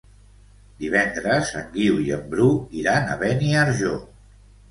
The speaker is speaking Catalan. Divendres en Guiu i en Bru iran a Beniarjó.